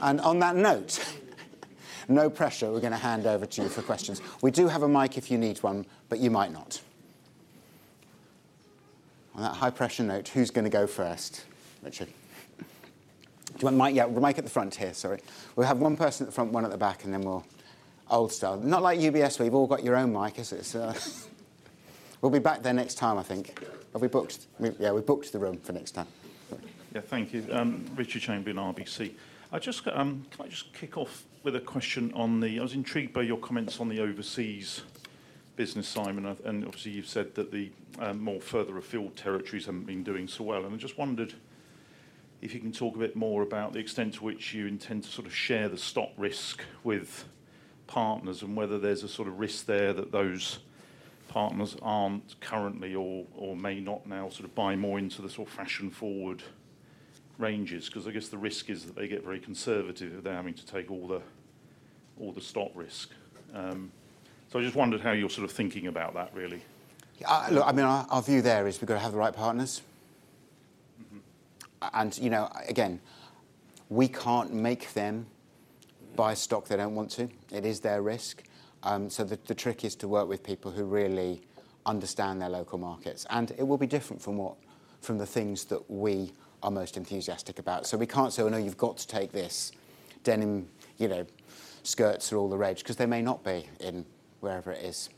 On that note, no pressure, we're going to hand over to you for questions. We do have a mic if you need one, but you might not. On that high-pressure note, who's going to go first? Richard. Do you want a mic? Yeah, we'll make it at the front here, sorry. We'll have one person at the front, one at the back, and then we'll old style. Not like UBS, where you've all got your own mic, is it? We'll be back there next time, I think. Are we booked? Yeah, we've booked the room for next time. Yeah, thank you. Richard Chamberlain, RBC. I just, can I just kick off with a question on the, I was intrigued by your comments on the overseas business, Simon, and obviously you've said that the more further afield territories haven't been doing so well. And I just wondered if you can talk a bit more about the extent to which you intend to sort of share the stock risk with partners and whether there's a sort of risk there that those partners aren't currently or may not now sort of buy more into the sort of fashion-forward ranges. Because I guess the risk is that they get very conservative without having to take all the stock risk. So I just wondered how you're sort of thinking about that, really. Look, I mean, our view there is we've got to have the right partners. And, you know, again, we can't make them buy stock they don't want to. It is their risk. So the trick is to work with people who really understand their local markets. And it will be different from the things that we are most enthusiastic about. So we can't say, well, no, you've got to take this denim skirts or all the rage, because they may not be in wherever it is.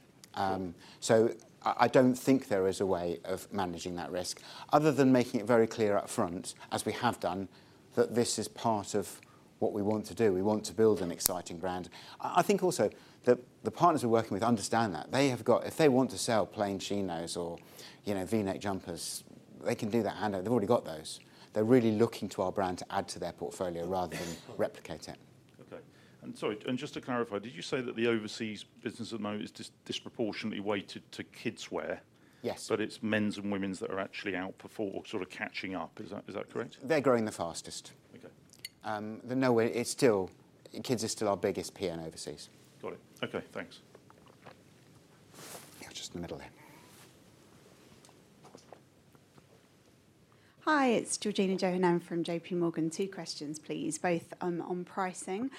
So I don't think there is a way of managing that risk, other than making it very clear upfront, as we have done, that this is part of what we want to do. We want to build an exciting brand. I think also that the partners we're working with understand that. They have got, if they want to sell plain chinos or, you know, V-neck jumpers, they can do that handover. They've already got those. They're really looking to our brand to add to their portfolio rather than replicate it. Okay. And sorry, and just to clarify, did you say that the overseas business at the moment is disproportionately weighted to kidswear? Yes. But it's men's and women's that are actually out for sort of catching up. Is that correct? They're growing the fastest. Okay. No way, it's still kids is still our biggest P&L overseas. Got it. Okay, thanks. Yeah, just in the middle there. Hi, it's Georgina Johanan, and I'm from J.P. Morgan. Two questions, please, both on pricing.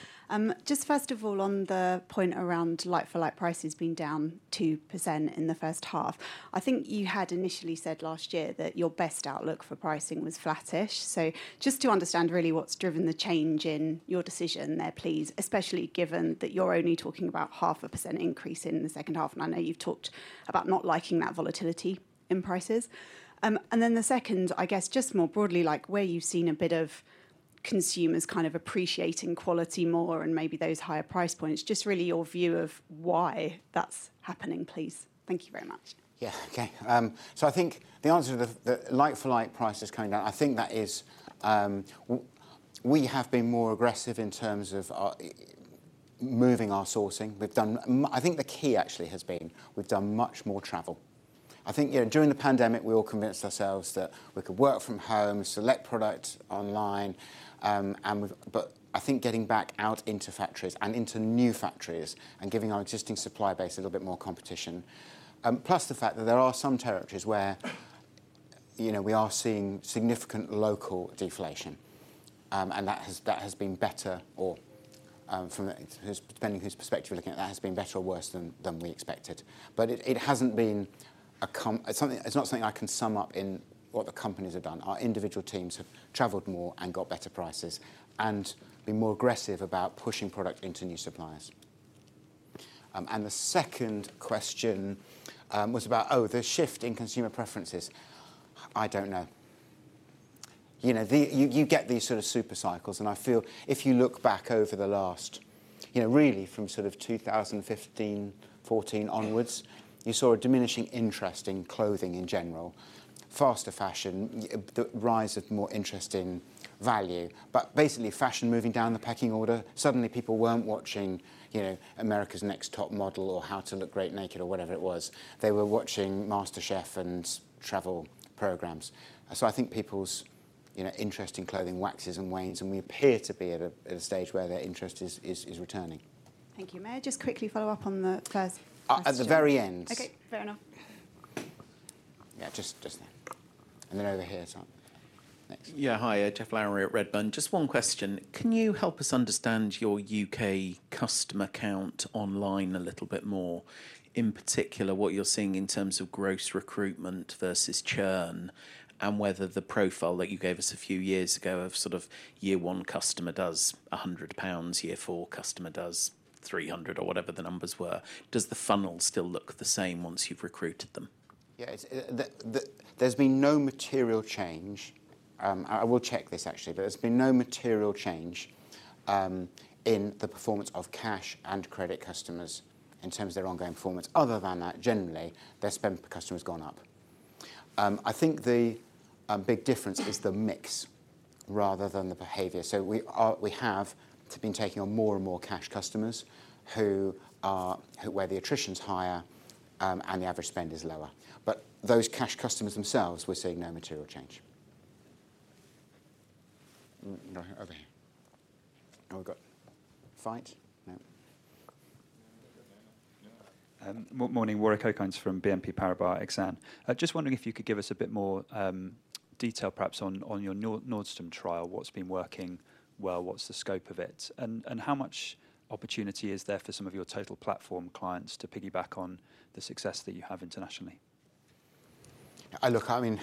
Just first of all, on the point around light-for-light prices being down 2% in the first half, I think you had initially said last year that your best outlook for pricing was flattish. So just to understand really what's driven the change in your decision there, please, especially given that you're only talking about 0.5% increase in the second half, and I know you've talked about not liking that volatility in prices. And then the second, I guess, just more broadly, like where you've seen a bit of consumers kind of appreciating quality more and maybe those higher price points, just really your view of why that's happening, please. Thank you very much. Yeah, okay, so I think the answer to the light-for-light prices coming down, I think that is we have been more aggressive in terms of moving our sourcing. We've done, I think the key actually has been we've done much more travel. I think, you know, during the pandemic, we all convinced ourselves that we could work from home, select products online, and we've, but I think getting back out into factories and into new factories and giving our existing supply base a little bit more competition. Plus the fact that there are some territories where, you know, we are seeing significant local deflation, and that has been better, or, from depending on whose perspective you're looking at, that has been better or worse than we expected, but it hasn't been a, it's not something I can sum up in what the companies have done. Our individual teams have traveled more and got better prices and been more aggressive about pushing product into new suppliers, and the second question was about, oh, the shift in consumer preferences. I don't know. You know, you get these sort of super cycles, and I feel if you look back over the last, you know, really from sort of 2015, 2014 onwards, you saw a diminishing interest in clothing in general, fast fashion, the rise of more interest in value, but basically fashion moving down the pecking order, suddenly people weren't watching, you know, America's Next Top Model or How to Look Good Naked or whatever it was. They were watching MasterChef and travel programs, so I think people's, you know, interest in clothing waxes and wanes, and we appear to be at a stage where their interest is returning. Thank you. May I just quickly follow up on the first? At the very end. Okay, fair enough. Yeah, just now. And then over here, Tom. Next. Yeah, hi, Geoff Lowery at Redburn. Just one question. Can you help us understand your UK customer count online a little bit more? In particular, what you're seeing in terms of gross recruitment versus churn, and whether the profile that you gave us a few years ago of sort of year one customer does £100, year four customer does £300 or whatever the numbers were, does the funnel still look the same once you've recruited them? Yeah, there's been no material change. I will check this actually, but there's been no material change in the performance of cash and credit customers in terms of their ongoing performance. Other than that, generally, their spend per customer has gone up. I think the big difference is the mix rather than the behavior. So we have been taking on more and more cash customers who are, where the attrition's higher and the average spend is lower. But those cash customers themselves, we're seeing no material change. Over here. Oh, we've got a fight? No. Good morning, Warwick Okines from BNP Paribas Exane. Just wondering if you could give us a bit more detail perhaps on your Nordstrom trial, what's been working well, what's the scope of it, and how much opportunity is there for some of your Total Platform clients to piggyback on the success that you have internationally? Look, I mean,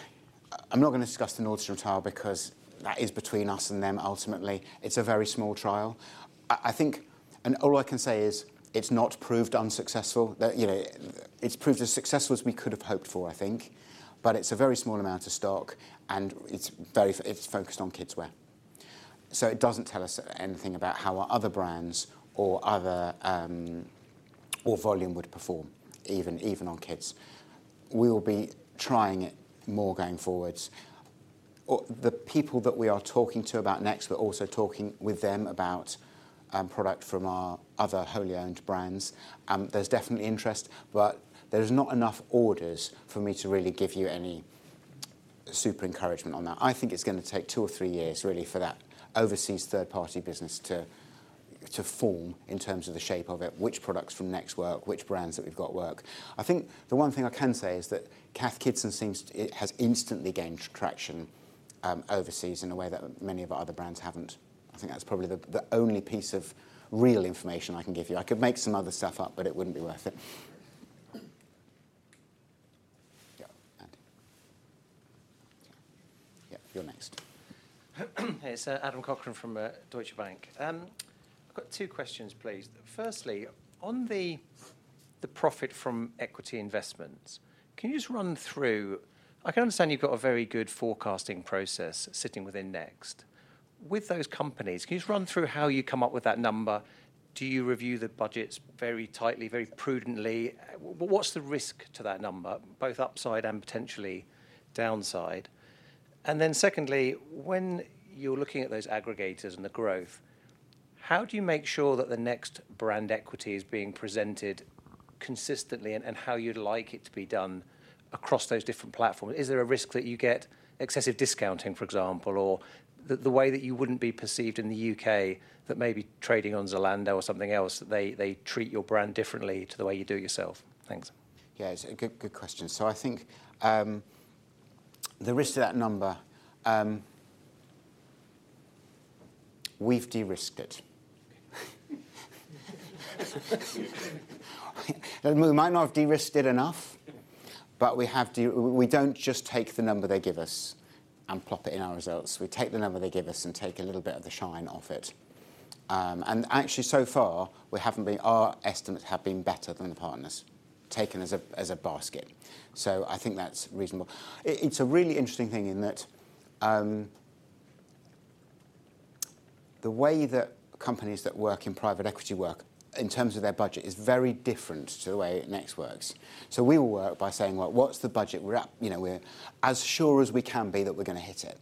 I'm not going to discuss the Nordstrom trial because that is between us and them ultimately. It's a very small trial. I think, and all I can say is it's not proved unsuccessful. You know, it's proved as successful as we could have hoped for, I think. But it's a very small amount of stock, and it's very focused on kidswear. So it doesn't tell us anything about how our other brands or volume would perform, even on kids. We will be trying it more going forwards. The people that we are talking to about Next, we're also talking with them about product from our other wholly owned brands. There's definitely interest, but there's not enough orders for me to really give you any super encouragement on that. I think it's going to take two or three years really for that overseas third-party business to form in terms of the shape of it, which products from Next work, which brands that we've got work. I think the one thing I can say is that Cath Kidston seems has instantly gained traction overseas in a way that many of our other brands haven't. I think that's probably the only piece of real information I can give you. I could make some other stuff up, but it wouldn't be worth it. Yeah, you're next. Hey, it's Adam Cochrane from Deutsche Bank. I've got two questions, please. Firstly, on the profit from equity investments, can you just run through? I can understand you've got a very good forecasting process sitting within Next. With those companies, can you just run through how you come up with that number? Do you review the budgets very tightly, very prudently? What's the risk to that number, both upside and potentially downside? And then secondly, when you're looking at those aggregators and the growth, how do you make sure that the Next brand equity is being presented consistently and how you'd like it to be done across those different platforms? Is there a risk that you get excessive discounting, for example, or the way that you wouldn't be perceived in the UK that maybe trading on Zalando or something else, they treat your brand differently to the way you do it yourself? Thanks. Yeah, it's a good question. So I think the risk of that number, we've de-risked it. We might not have de-risked it enough, but we don't just take the number they give us and plop it in our results. We take the number they give us and take a little bit of the shine off it. And actually, so far, we haven't been, our estimates have been better than the partners' taken as a basket. So I think that's reasonable. It's a really interesting thing in that the way that companies that work in private equity work in terms of their budget is very different to the way Next works. So we will work by saying, well, what's the budget? You know, we're as sure as we can be that we're going to hit it.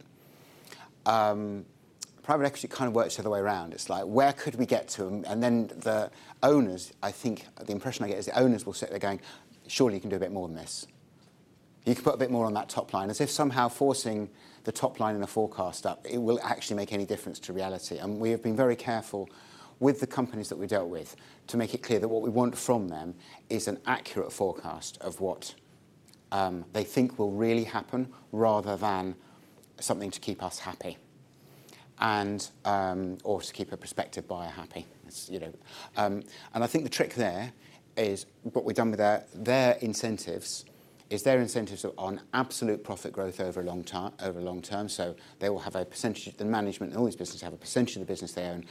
Private equity kind of works the other way around. It's like, where could we get to? And then the owners, I think the impression I get is the owners will sit there going, surely you can do a bit more than this. You can put a bit more on that top line. As if somehow forcing the top line in a forecast up, it will actually make any difference to reality. And we have been very careful with the companies that we dealt with to make it clear that what we want from them is an accurate forecast of what they think will really happen rather than something to keep us happy or to keep a prospective buyer happy. You know, and I think the trick there is what we've done with their incentives is their incentives are on absolute profit growth over a long term. So they will have a percentage. The management and all these businesses have a percentage of the business they own.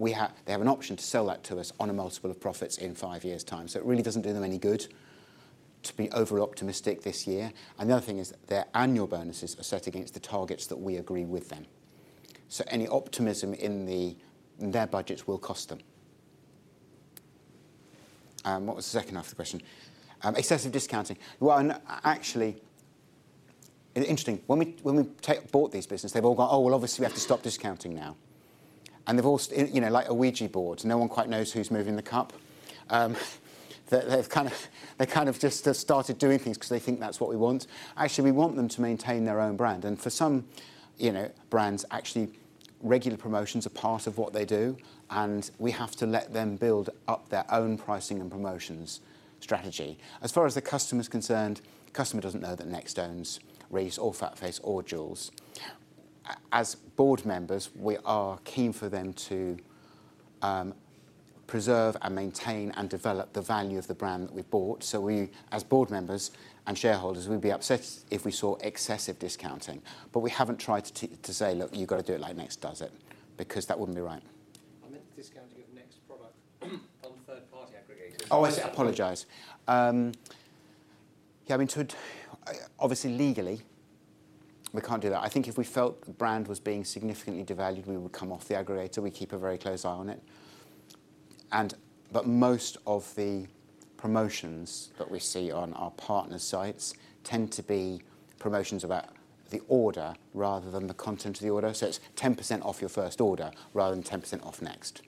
They have an option to sell that to us on a multiple of profits in five years' time. So it really doesn't do them any good to be overoptimistic this year. And the other thing is their annual bonuses are set against the targets that we agree with them. So any optimism in their budgets will cost them. What was the second half of the question? Excessive discounting. Well, actually, interesting. When we bought these businesses, they've all gone, oh, well, obviously we have to stop discounting now. And they've all, you know, like a Ouija board, no one quite knows who's moving the cup. They've kind of just started doing things because they think that's what we want. Actually, we want them to maintain their own brand. For some, you know, brands, actually regular promotions are part of what they do. We have to let them build up their own pricing and promotions strategy. As far as the customer's concerned, the customer doesn't know that Next owns Reiss or FatFace or Joules. As board members, we are keen for them to preserve and maintain and develop the value of the brand that we bought. We, as board members and shareholders, we'd be upset if we saw excessive discounting. We haven't tried to say, look, you've got to do it like Next does it, because that wouldn't be right. I meant discounting of Next product on third-party aggregators. Oh, I apologize. Yeah, I mean, obviously legally, we can't do that. I think if we felt the brand was being significantly devalued, we would come off the aggregator. We keep a very close eye on it. But most of the promotions that we see on our partner sites tend to be promotions about the order rather than the content of the order. So it's 10% off your first order rather than 10% off Next.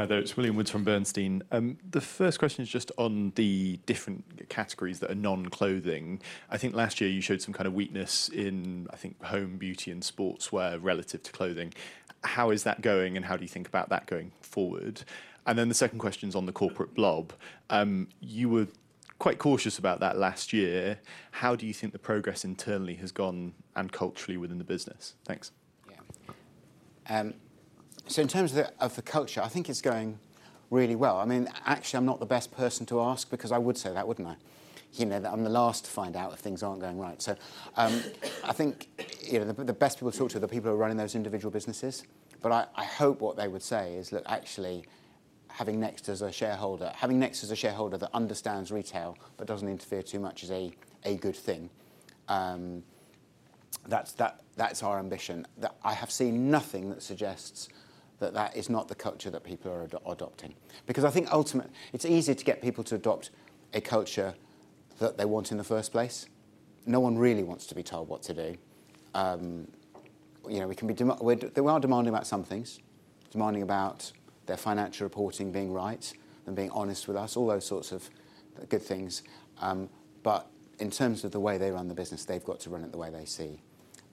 Hi there, it's William Woods from Bernstein. The first question is just on the different categories that are non-clothing. I think last year you showed some kind of weakness in, I think, home, beauty, and sportswear relative to clothing. How is that going and how do you think about that going forward? And then the second question is on the corporate blob. You were quite cautious about that last year. How do you think the progress internally has gone and culturally within the business? Thanks. Yeah. So in terms of the culture, I think it's going really well. I mean, actually, I'm not the best person to ask because I would say that, wouldn't I? You know, I'm the last to find out if things aren't going right. So I think, you know, the best people to talk to are the people who are running those individual businesses. But I hope what they would say is, look, actually, having Next as a shareholder, having Next as a shareholder that understands retail but doesn't interfere too much is a good thing. That's our ambition. I have seen nothing that suggests that that is not the culture that people are adopting. Because I think ultimately, it's easy to get people to adopt a culture that they want in the first place. No one really wants to be told what to do. You know, we can be demanding, we are demanding about some things, demanding about their financial reporting being right and being honest with us, all those sorts of good things. But in terms of the way they run the business, they've got to run it the way they see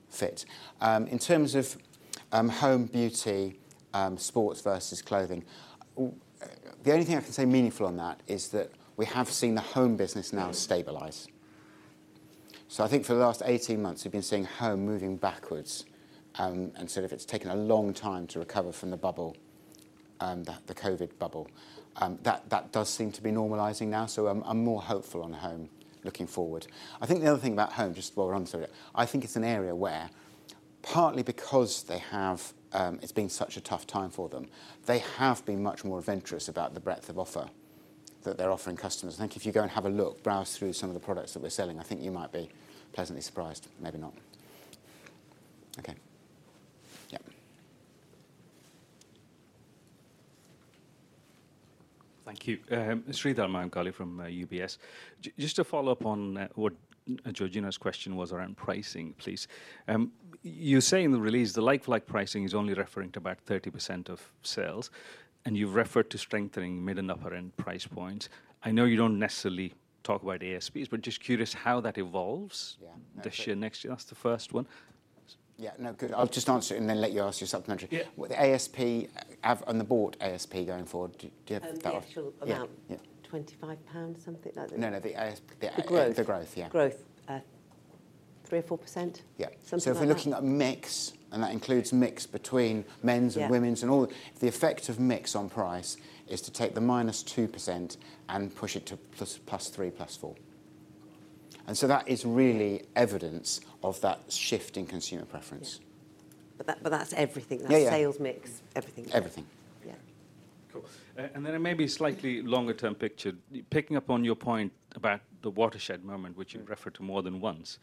fit. In terms of home, beauty, sports versus clothing, the only thing I can say meaningful on that is that we have seen the home business now stabilize. So I think for the last 18 months, we've been seeing home moving backwards. And so if it's taken a long time to recover from the bubble, the COVID bubble, that does seem to be normalizing now. So I'm more hopeful on home looking forward. I think the other thing about home, just while we're onto it. I think it's an area where partly because they have, it's been such a tough time for them, they have been much more adventurous about the breadth of offer that they're offering customers. I think if you go and have a look, browse through some of the products that we're selling, I think you might be pleasantly surprised, maybe not. Okay. Yeah. Thank you. Mornong Simon, I'm Carly from UBS. Just to follow up on what Georgina's question was around pricing, please. You say in the release the like-for-like pricing is only referring to about 30% of sales. And you've referred to strengthening mid and upper-end price points. I know you don't necessarily talk about ASPs, but just curious how that evolves this year, next year, that one. Yeah, no, good. I'll just answer it and then let you ask yourself the question. The ASP on the board ASP going forward, do you have that? The initial amount, 25 pounds something like that? No, no, the growth. The growth, yeah. Growth, 3% or 4%? Yeah. Something like that. So if we're looking at mix and that includes mix between men's and women's and all, the effect of mix on price is to take the minus 2% and push it to plus 3%, plus 4%. And so that is really evidence of that shift in consumer preference. But that's everything. That's sales mix, everything. Everything. Yeah. Cool. And then maybe a slightly longer-term picture, picking up on your point about the watershed moment, which you've referred to more than once.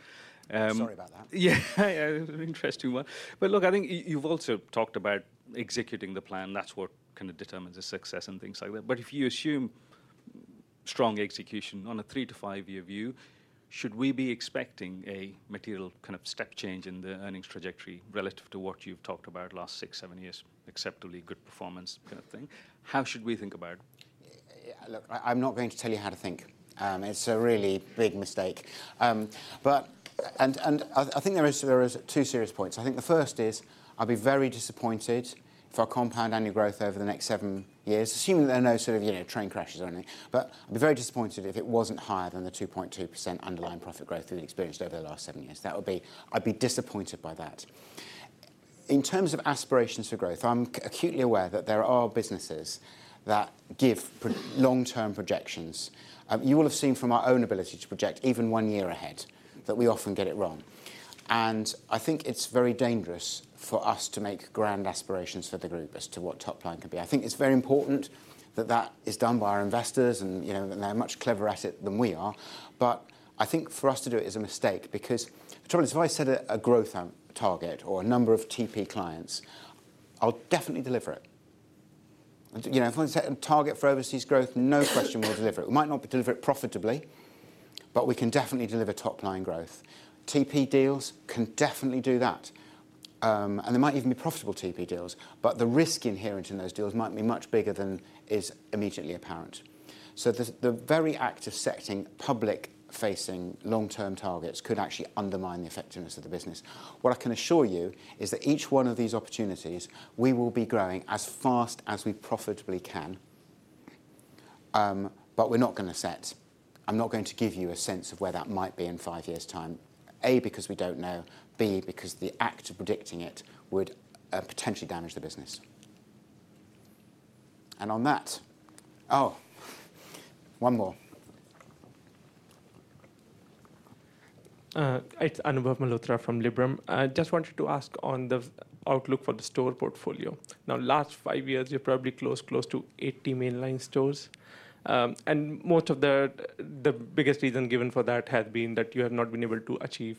Sorry about that. Yeah, yeah, an interesting one. But look, I think you've also talked about executing the plan. That's what kind of determines the success and things like that. But if you assume strong execution on a three to five-year view, should we be expecting a material kind of step change in the earnings trajectory relative to what you've talked about last six, seven years, acceptably good performance kind of thing? How should we think about it? Look, I'm not going to tell you how to think. It's a really big mistake, but I think there are two serious points. I think the first is I'll be very disappointed if our compound annual growth over the next seven years, assuming that there are no sort of train crashes or anything, but I'll be very disappointed if it wasn't higher than the 2.2% underlying profit growth we've experienced over the last seven years. That would be, I'd be disappointed by that. In terms of aspirations for growth, I'm acutely aware that there are businesses that give long-term projections. You will have seen from our own ability to project even one year ahead that we often get it wrong, and I think it's very dangerous for us to make grand aspirations for the group as to what top line can be. I think it's very important that that is done by our investors and they're much cleverer at it than we are. But I think for us to do it is a mistake because if I set a growth target or a number of TP clients, I'll definitely deliver it. You know, if I set a target for overseas growth, no question we'll deliver it. We might not deliver it profitably, but we can definitely deliver top line growth. TP deals can definitely do that. And there might even be profitable TP deals, but the risk inherent in those deals might be much bigger than is immediately apparent. So the very active setting public-facing long-term targets could actually undermine the effectiveness of the business. What I can assure you is that each one of these opportunities, we will be growing as fast as we profitably can. But we're not going to say. I'm not going to give you a sense of where that might be in five years' time. A, because we don't know. B, because the act of predicting it would potentially damage the business. And on that, oh, one more. It's Anubhav Malhotra from Liberum. I just wanted to ask on the outlook for the store portfolio. Now, last five years, you're probably close to 80 mainline stores. And most of the biggest reason given for that has been that you have not been able to achieve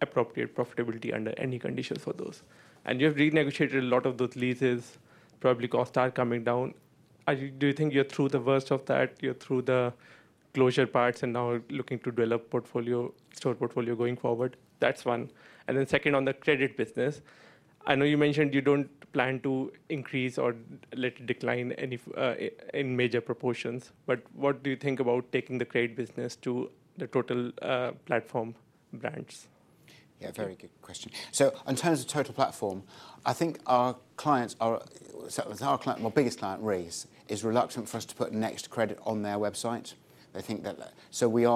appropriate profitability under any conditions for those. And you have renegotiated a lot of those leases. Probably costs are coming down. Do you think you're through the worst of that? You're through the closure parts and now looking to develop portfolio, store portfolio going forward? That's one. And then second, on the credit business, I know you mentioned you don't plan to increase or let it decline in major proportions. But what do you think about taking the credit business to the Total Platform brands? Yeah, very good question. So in terms of total platform, I think our clients, our biggest client, Reiss, is reluctant for us to put Next Credit on their website. They think that. So we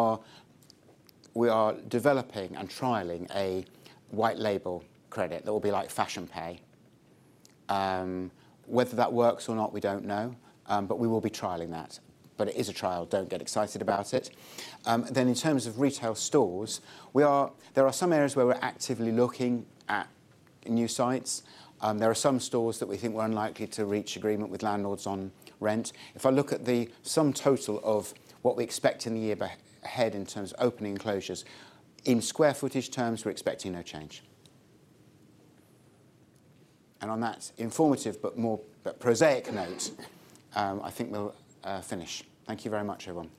are developing and trialing a white label credit that will be like Fashion Pay. Whether that works or not, we don't know. But we will be trialing that. But it is a trial. Don't get excited about it. Then in terms of retail stores, there are some areas where we're actively looking at new sites. There are some stores that we think we're unlikely to reach agreement with landlords on rent. If I look at the sum total of what we expect in the year ahead in terms of opening and closures, in square footage terms, we're expecting no change, and on that informative but more prosaic note, I think we'll finish. Thank you very much, everyone.